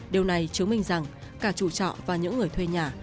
điều này chứng minh rằng cả chủ trọ và những người thuê nhà